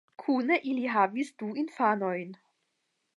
Kune ili havas du infanojn.